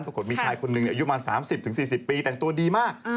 ปรากฏมีชายคนหนึ่งอายุประมาณ๓๐๔๐ปีแต่งตัวดีมาก